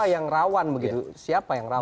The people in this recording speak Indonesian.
yang rawan begitu siapa yang rawan